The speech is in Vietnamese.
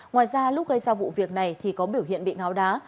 ngoài ra lúc gây ra vụ việc này thì có biểu hiện bị ngáo đá